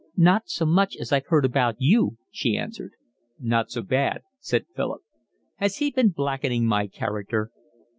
"Not so much as I've heard about you," she answered. "Nor so bad," said Philip. "Has he been blackening my character?"